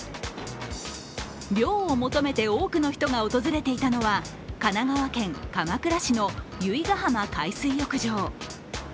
涼を求めて多くの人が訪れていたのは神奈川県鎌倉市の由比ガ浜海水浴場。